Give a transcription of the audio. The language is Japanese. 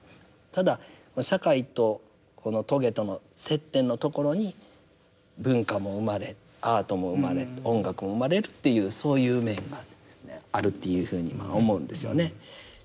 ただ社会とこの棘との接点のところに文化も生まれアートも生まれ音楽も生まれるっていうそういう面があるというふうに思うんですよね。